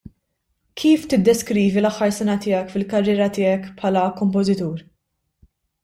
Kif tiddeskrivi l-aħħar sena tiegħek fil-karriera tiegħek bħala kompożitur?